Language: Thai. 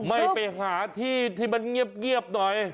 ไม่ไปหาที่ที่มันเงียบหน่อย